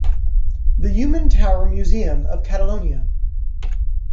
The Human Tower Museum of Catalonia.